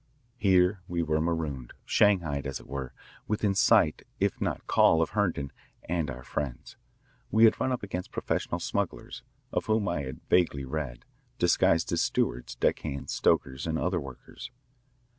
Here we were marooned, shanghaied, as it were, within sight if not call of Herndon and our friends. We had run up against professional smugglers, of whom I had vaguely read, disguised as stewards, deckhands, stokers, and other workers.